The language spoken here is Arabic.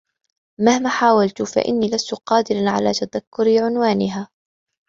مهما حاولت فإني لست قادرا على تذكر عنوانها.